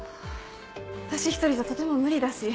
私一人じゃとても無理だし。